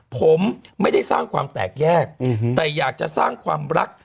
ผมไม่ได้สร้างความแตกแยกแต่อยากจะสร้างความรัก